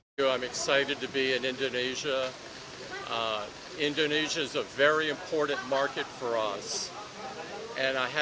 saya senang berada di indonesia indonesia adalah pasar yang sangat penting bagi kita